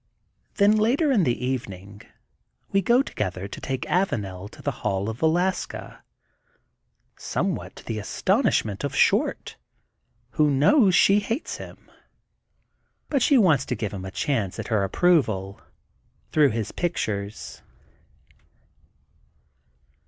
Then later in the evening we go together to take Avanel to the Hall of Velaska, some what to the astonishment of Short, who knows she hates him. But she wants to give him a chance at her approval, through his pictures.